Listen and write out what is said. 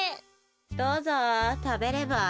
どうぞたべれば。